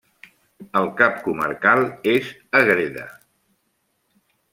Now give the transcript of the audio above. El cap comarcal és Ágreda.